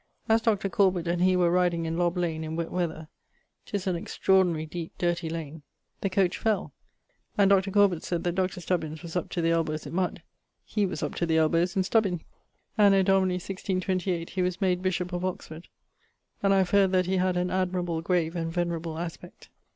As Dr. Corbet and he were riding in Lob lane, in wett weather, ('tis an extraordinary deepe dirty lane) the coach fell; and Dr. Corbet sayd that Dr. Stubbins was up to the elbowes in mud, he was up to the elbowes in Stubbins. Anno Domini <1628> he was made bishop of Oxford, and I have heard that he had an admirable, grave, and venerable aspect.